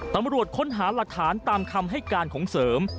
ตำรวจค้นหาหลักฐานตามคำให้การของเสริม